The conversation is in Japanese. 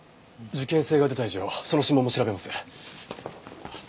事件性が出た以上その指紋も調べます。